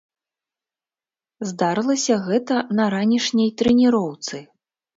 Здарылася гэта на ранішняй трэніроўцы.